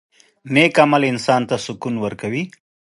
• نیک عمل انسان ته سکون ورکوي.